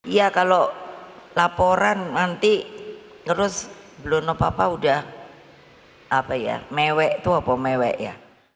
ya kalau laporan nanti terus belum apa apa udah apa ya mewek itu apa mewek ya